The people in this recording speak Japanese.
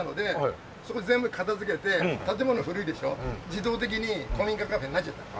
自動的に古民家カフェになっちゃったの。